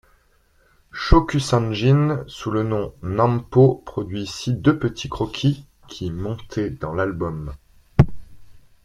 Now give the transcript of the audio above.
Shokusanjin sous le nom Nampo produit ici deux petits croquis qui montés dans l'album.